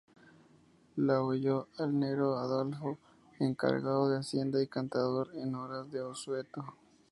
La oyó al negro Adolfo, encargado de hacienda y cantador en horas de asueto.